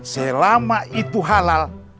selama itu halal